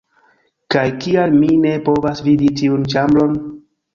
Kaj kial mi ne povas vidi tiun ĉambron?!